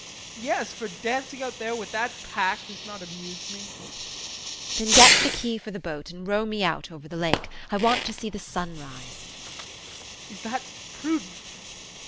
JEAN. Yes, for dancing out there with that pack has not amused me. JULIE. Then get the key for the boat and row me out over the lake. I want to see the sun rise. JEAN. Is that prudent?